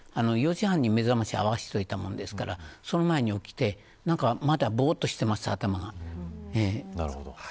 ４時半にめざましを合わせていたのでその前に起きて、まだぼーっとしています、頭が。